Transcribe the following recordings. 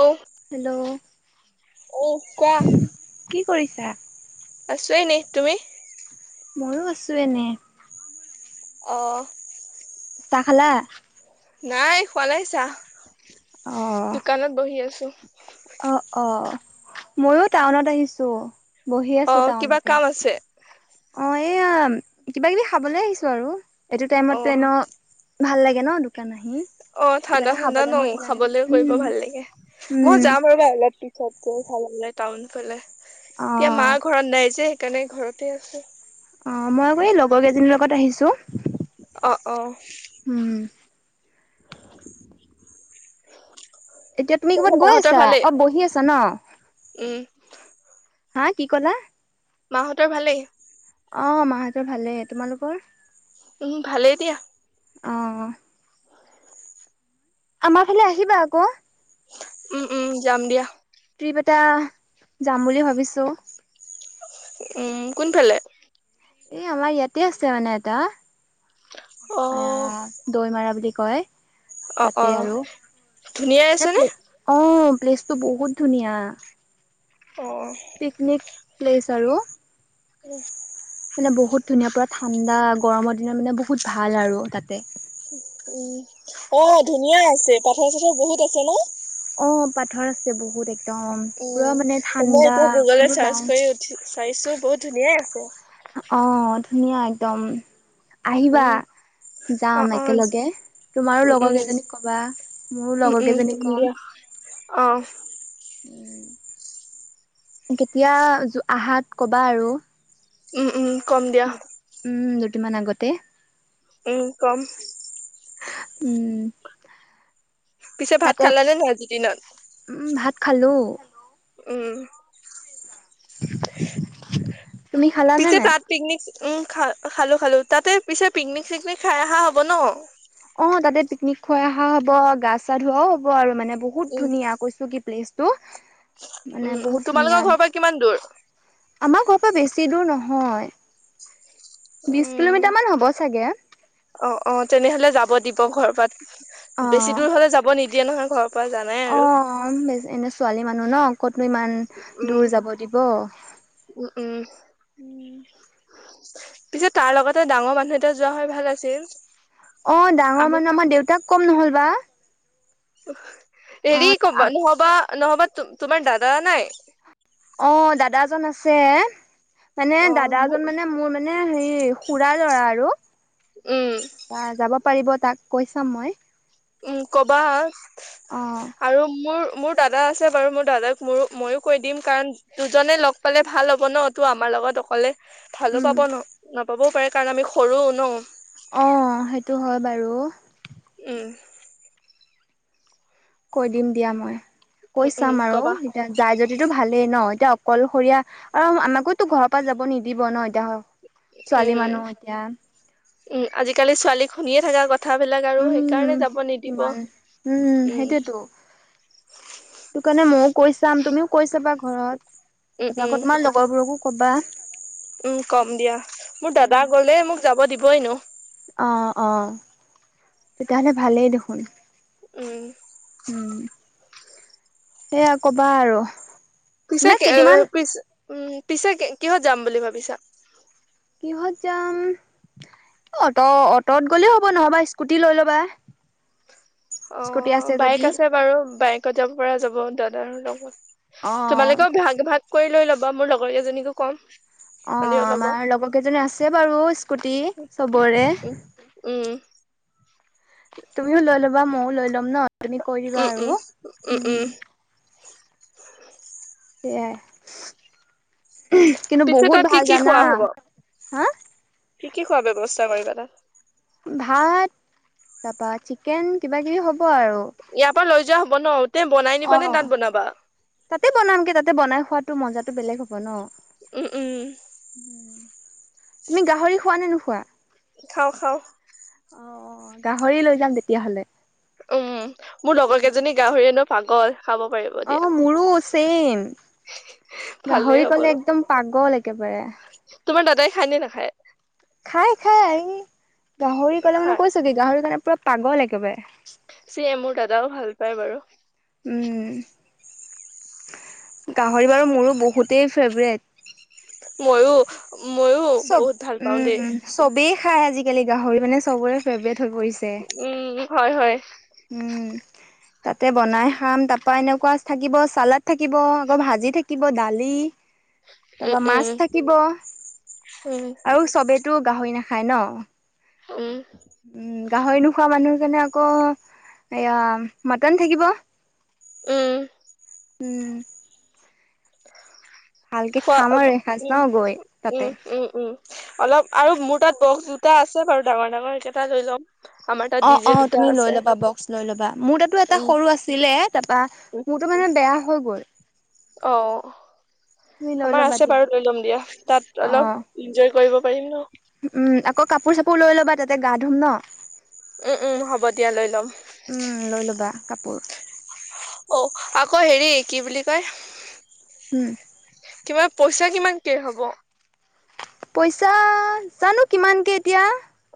অহ, hello উ, কোৱা। কি কৰিছা। আছো এনে, তুমি? ময়ো আছো এনে। অ'। চাহ খালা? নাই, খোৱা নাই চাহ, অ'। দোকানত বহি আছো। অ', অ', ময়ো টাউনত আহিছো, বহি আছো অ', কিবা টাউনতে। কাম আছে অ', এইয়া কিবা কিবি খাবলৈ আহিছো আৰু এইটো টাইমতটো অ', এনেও ভাল লাগে ন' দোকান আহি অ', কিবা ঠাণ্ডা এটা ঠাণ্ডা খাবলৈ মন ন' যায়। খাবলৈ কৰিব উম, ভাল লাগে, উম, মই যাম ৰবা অলপ পি [unintelligible] টাউন ফালে, এতিয়া মা অ', ঘৰত নাই যে সেইকাৰণে ঘৰতে আছো। অ', মই আকৌ এই লগৰ কেইজনীৰ লগত আহিছো। অ', অ'। উম, [inaudible] এতিয়া তুমি কৰ'বাত গৈ মাহঁতৰ আছা? ভালেই অ', বহি আছা ন'? উম, হা, কি ক'লা? মাহঁতৰ ভালেই। অ', মাহঁতৰ ভালেই, তোমালোকৰ? উম, ভালেই দিয়া। অ আমাৰ ফালে আহিবা আকৌ উম, উম যাম দিয়া ট্ৰিপ এটা যাম বুলি ভাবিছোঁ উম কোনফালে এই আমাৰ ইয়াতে আছে মানে এটা অ', এ দৈ মাৰা বুলি কয় অ', তাতে অ', আৰু ধুনীয়াই আছেনে ত অ প্লেচটো বহুত ধুনীয়া অঁ প্লেছ আৰু উম মানে বহুত ধুনীয়া পুৰা ঠাণ্ডা গৰমৰ দিনত মানে বহুত ভাল আৰু তাতে উম অ ধুনীয়া আছে পাথৰ চথৰ বহুত আছে ন অ পাথৰ আছে বহুত এক উম মই এতিয়া গুগলেত কোনো নাই চাৰ্চ কৰি উঠি চাইছো বহুত ধুনীয়াই আছে অ ধুনীয়া একদম আহিবা উম অ যাম অ একেলগে তোমাৰো উম লগৰ কেইজনীক কবা মোৰো লগৰ কেইজনী কম আহ উ কেতিয়া আহাত কবা আৰু উম, উম কম দিয়া দু উম দুটিমান আগতে ই কম উম পিছে ভাত তাতে খালানে ন আজি দিনত উম ভাত খালো উম তুমি খালানে ততিছে [unintelligible] নাই তাত পিকনিক উম খা খালো খালো তাতে পিছে পিকনিক চিকনিক খাই অহা হ'ব ন অ তাতে পিকনিক খুৱাই অহা হব গা চা ধোৱাও হ'ব আৰু মানে বহুত উম ধুনীয়া [unintelligible] উম মান উম বহুত ধুনীয়া তোমালোকৰ ঘৰৰ পৰা কিমান দূৰ? আমাৰ ঘ [unintelligible] বেছি দূৰ নহয় বিশ উম কিলোমিটাৰ মান হ'ব চাগে অ অ তেনেহলে যাব দিব ঘৰ পাত অ বেছি দূৰ হলে যাব নিদিয়ে নহয় ঘৰ, অ বে এনে ছোৱালী মানুহ ন ক'ত? আপ ইমান উম দূৰ যাব দিব। উম পিছে তাৰ লগতে ডাঙৰ মানুহ এতিয়া যোৱা হয় ভাল আছিল। অ ডাঙৰ আমি মানুহ আমাৰ দেউতাক কম নহল বা, অ হেৰি কমবা [unintelligible] নহবা নহবা তোমাৰ দাদা নাই। অ দাদাজন আছে মানে অ মোৰ দাদাজন মানে মোৰ মে, মানে হেৰি খুৰাাৰ লৰা আৰু উম ত [unintelligible] যাব পাৰিব তাক। কৈছাম মই উম ক'বা অ আৰু মোৰ মোৰ দাদা আছে বাৰু মোৰ দাদাক মোৰো ময়ো কৈ দিম কাৰণ দুজনে লগ পালে ভাল হ'ব ন অ তটো আমাৰ। লগত অকলে ভালো উম পাব ন নাপাবও পাৰে কাৰণ আমি সৰুও ন অ সেইটো হয় বাৰু উম! কৈ দিম দিয়া মই উম কৈ উম চাম আৰু কবা এতিয়া যাই যদি যটো ভালেই ন এতিয়া অকলশৰীয়া আৰু আমাকোতো ঘৰৰ পৰা যাব নিদিব ন এতিয়া হয় উম, উম আজিকালি ছোৱালী শুনিয়ে থকা কথা উম কিমান উম সেইটোয়তো সিটো কাৰণে মইও কৈ চাম, তুমিও কৈ চাবা উম ঘৰত৷ এবাৰ উম আকৌ তোমাৰ লগৰবোৰকো কবা৷ উম কম দিয়া৷মোৰ দাদা গ'লে মোক যাব দিব এনেও৷ অ অ, তেতিয়াহ'লে ভালেই দেখোন৷ উম৷ উম৷ সেয়া ক'বা আৰু৷ পিছে মানে কেইদিনমান কেএ-পি-পিছ উম, পিছে কিহত যাম বুলি ভাবিছা? কিহত যাম! অট'-অট'ত গ'লেও হ'ব, নহ'বা স্কুটি লৈ ল'বা৷ অ, স্কুটি বাইক যদি আছে বাৰু, বাইকত যাব পৰা যাব দাদাৰ লগত৷ অ তোমালোকেও অ ভাগ ভাগ কৰি লৈ ল'বা, মোৰ লগৰ কেইজনীকো কম৷ অ-অ সিহঁতিও ল'ব আমাৰ লগৰ কেইজনীৰ আছে বাৰু স্কুটি চবৰে৷ উম উম তুমিও লৈ ল'বা মইও লৈ ল'ম ন? তুমি কৈ দিবা উম উম আৰু৷ উম৷ [inaudible] আই৷কিন্তু পিছে বহুত তাত কি ভাল কি খোৱা জানা৷ হ'ব হা? কি কি খোৱাৰ ব্যৱস্থা কৰিবা তাত? ভাত, তাৰপা চিকেন কিবা কিবি হ'ব৷ ইয়াৰ পৰা লৈ যোৱা হ'ব ন? তে বনাই নিবা নে তাত বনাবা অ৷তাতে বনামগে তাতে বনাই খোৱাটো মজাটো বেলেগ হ'ব ন? উম উম৷ তুমি গাহৰি খোৱা নে নোখোৱা? খাওঁ খাওঁ৷ অ অ, গাহৰি লৈ যাম তেতিয়াহলে৷ উম, মোৰ লগৰ কেইজনী গাহৰিৰ এনেও পাগল৷ খাব পাৰিব অ, দিয়া মোৰো চেইম৷ ভালেই গাহৰি হ'ব ক'লে একদম পাগল একেবাৰে৷ খাইনে নাখায়? খাই খাই৷ গাহৰি ক'লে মানে খায় কৈছো কি গাহৰিৰ কাৰণে পুৰা পাগল একেবাৰে৷ এ মোৰ দাদাও ভাল পায় বাৰু৷ উম৷ গাহৰি বাৰু মোৰো বহুতেই ফেভৰেট৷ ময়ো, ময়ো চব বহুত ভাল পাওঁ দেই৷ উম চবেই খাই আজিকালি, গাহৰি মানে চবৰে ফেভৰেট হৈ পৰিছে৷ উম হয় হয়৷ উম। তাতে বনাই খাম৷তাৰ পৰা এনেকুৱা থাকিব চালাড থাকিব, আকৌ ভাজি থাকিব, দালি ই উম তাৰপা উম মাছ থাকিব, উম আৰু চবেতো গাহৰি নাখায় ন? উম৷ উম, গাহৰি নোখোৱা মানুহৰ কাৰণে আকৌ এয়া মটন থাকিব৷ উম৷ উম৷ ভালকে খোৱা খাম আৰু এসাঁজ ন গৈ তাতে। আব-উম-উম-উম-উম৷ অলপ আৰু মোৰ তাত বক্স দুটা আছে বাৰু ডাঙৰ ডাঙৰ, সেইকেইটা লৈ ল'ম৷ আমাৰ তাত ডি অ' জে অ' দুটা তুমি লৈ আছে ল'বা বক্স লৈ ল'বা৷ মোৰ তাতো এটা উম সৰু আছিলে তাৰপা উম মোৰতো মানে বেয়া হৈ গ'ল৷ তুমি অ'৷ লৈ আমাৰ ল'বা আছে দিয়া। বাৰু লৈ ল'ম দিয়া, তাত অলপ অ', ইনজয় কৰিব পাৰিম ন? উম, আকৌ কাপোৰ চাপোৰ লৈ ল'বা তাতে গা ধুম ন৷ উম-উম, হ'ব দিয়া লৈ ল'ম৷ উম, লৈ ল'বা কাপোৰ৷ অ আকৌ হেৰি কি বুলি কয়। উম। কিবা পইচা কিমান কে হব? পইচা জানো কিমানকে এতিয়া।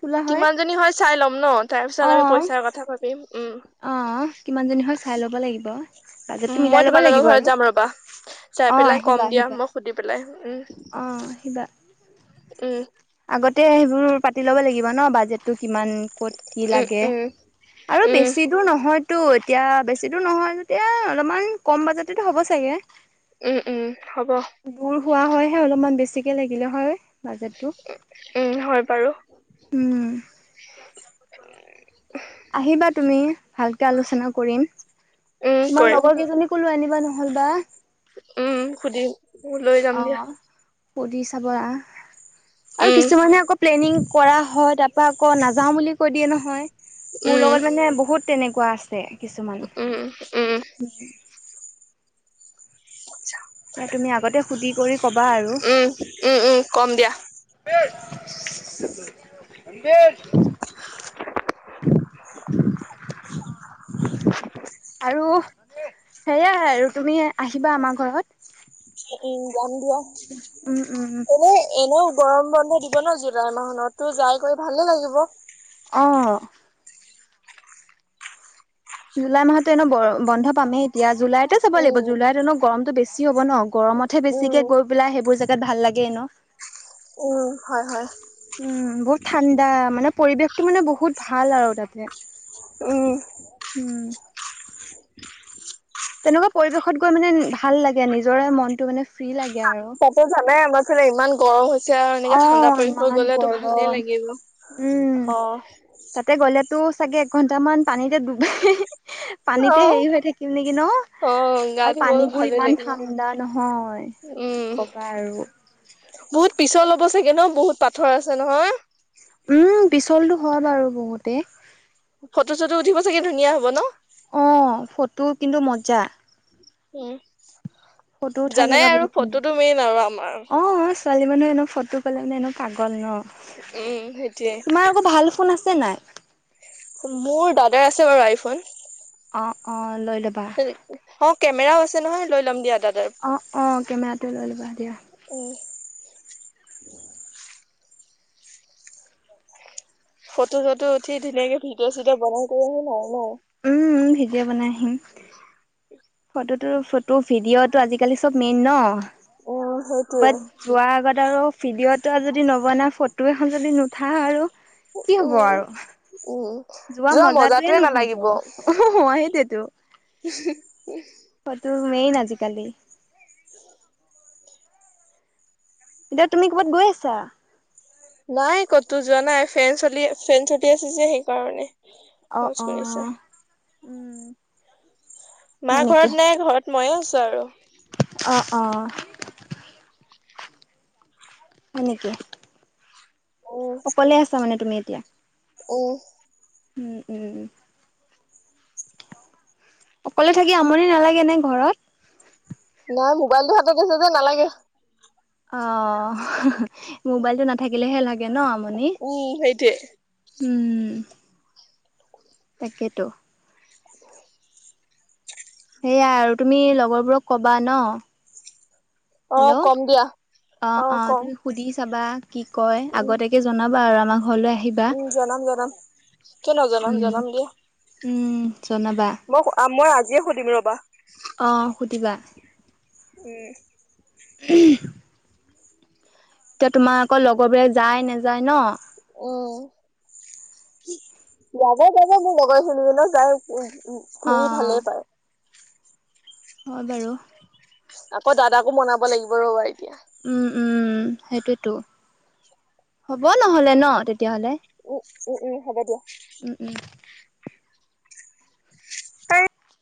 তোলা হয়। কিমান জনী হয় চাই ল'ম ন তাৰ পিছত আমি অ', পইচাৰ কথা ভাবিম উম। অ কিমানজনী হয় চাই ল'ব লাগিব বাজেটটো উম, মিলাই মই ল'ব তোমালোকৰ লাগিব ঘৰত আৰু। যাম ৰ'বা। চাই অঁ পেলাই কম আহিবা দিয়া আহিবা মই সুধি পেলাই উম অঁ আহিবা উম আগতে সেইবোৰ পাতি ল'ব লাগিব ন বাজেটটো। কিমান ক'ত কি উম, লাগে, উম, আৰু উম। বেছি দূৰ নহয়। তো এতিয়া বেছি দূৰ নহয় যেতিয়া অলপমান কম বাজেটটো হ'ব চাগে। উম, উম, হ'ব দূৰ হোৱা হয় হে অলপমান বেছিকে লাগিলে হয় বাজেটটো। উম হয় বাৰু। উম। উ আহিবা তুমি ভালকে আলোচনা কৰিম, উম, তোমাৰ কৰিম লগৰ কেইজনীকো লৈ আনিবা নহলে। নহল বা। উম সুধিম লৈ যাম দিয়া। পদি চাব অহ আৰু উম, কিছুমানে আকৌ প্লেনিং। কৰা হয় তাৰ পৰাৰা আকৌ নাযাও বুলি কৈ দিয়ে নহয়, মোৰ উম, লগত মানে বহুত। তেনেকুৱা আছে কিছুমান। উম, উম, এতিয়া তুমি আগতে সুধি কৰি ক'বা আৰু। উম উম উম কম দিয়া। [inaudible] [inaudible] আৰু সেয়াই আৰু তুমি আহিবা আমাৰ ঘৰত। উম যাম দিয়া উম উম এনে এনেও। গৰম বন্ধ দিব ন জুলাই মাহত তো যাই কৰি ভালে লাগিব। অ। জুলাই মাহতো এনে বন্ধ পামেই এতিয়া, জুলাইতে চাব লাগিব জুলাইত হেনো। গৰমতটো বেছি হ'ব ন, গৰমতহে বেছিকে গৈ পেলাই সেইবোৰ জেগাত ভাল লাগে এনেও। উম, হয়, হয় উম বহুত ঠাণ্ডা মানে পৰিৱেশ। টো মানে বহুত ভাল আৰু তাতে। উম। উম। তেনেকুৱা পৰিৱেশত গৈ মানে ভাল লাগে নিজৰে মনতটো মানে ফ্ৰী লাগে। আৰু। কক জনাই আমৰ ফালে ইমান গৰম হৈছে। পিছে আৰু অ এনেকে ঠাণ্ডা পৰিব ইমান গলেতো ভালেই গৰম লাগিব অ। তো চাগে একঘন্টামান পানীতে ডুবাই পানীতে অ'। হেৰি হৈ থাকিম নেকি ন। অ', গা আৰু ধুব পানীবোৰ ভালে ইমান লাগিব ঠাণ্ডা নহয় কি উম, কবা আৰু। বহুত পিছৰ ল'ব চাগে ন বহুত পাথৰ আছে নহয়। উম পিছলটো হয় বাৰু বহুতে। ফটো চটো উঠিব চাগে ধুনীয়া হব ন। অ ফটো কিন্তু মজা। উম। ফটো উঠা জানাই জেগা আৰু বহুত ধুনীয়া, ফটোটো মেইন আৰু আমাৰ অ ছোৱালী মানুহে এনও ফটো। ফটো ক'লে মানে এনেও পাগল ন। উম সেইটয়ে। চেন্নাই। মোৰ দাদাৰ আছে বাৰু আইফ। অ অ লয়। অ কেমেৰাও আছে নহয় লৈ ল'ম দিয়া। অ অ কেমেৰাটো লৈ ল'বা দিয়া উ ফটো চটো উঠি ধুনীয়াকে ভিডিঅ চিডি বনাই কৰি আহি নাই নাই উম, বনাই আহিম ফটোটোো ফটো ভিডিঅ' তটো আজিকালি চব মেইন ন উম সেইটোয়ে বছ যোৱা আগত আৰু ভিডিঅ'তটো যদি নবনা ফটো এখন যদি নুঠা আৰু কি হ'ব উম আৰু উম যোৱা মজাাতয়ে নহব অ সেইটোতো উ তমেই ন আজিকালি এতিয়া তুমি ক'বাত গৈ আছা। নাই ক'তো যোৱা নাই ফেন চলি ফেন চলি আছে যে সেইকাৰণে, অ খৰচ অ' কৰিছে উম, মা হয় নেকি? ঘৰত নাই ঘৰত ময়ে আছো আৰু, অ', অ' হয়নে? অকলে আছা মানে তুমি এতিয়া? অ' উম উম উম! অকলে থাকি আমনি নালাগে নে ঘৰত, নাই মোবাইলতটো হাতত আছে যে নালাগে। অ মোবাইল টো নাথাকিলেহে লাগে ন! আমনি। উ সেইট উম তাকেতো সেইয়াই আৰু তুমি লগৰবোৰক কবা ন? অ হেল্ল' কম দিয়া অ অ তুমি সুধি চাবা কি কয় উম আগতেকে জনাবা আৰু আমাক উম জনাম জনাম কনেো জনাম উম, জনাম দিয়া। উম! জনাবা মই মই আজিয়ে সুধিম ৰবা। অ সুধিবা। এই উ! এতিয়া তোমাৰ আকৌ লগৰবোাক যায় নেযায় ন! উম যাব যাব মোৰ লগৰ ছিন ন যাই। উ ঘূৰি অ', ভালেই পায়। হয় বাৰু। আকৌ দাদাকো মনাব লাগিব ৰ'বা এতিয়া। উম উম সেইটোতো হ'ব নহলে ন তেতিয়াহ'লে। উম উম উম হ'ব দিয়া। উম, উম।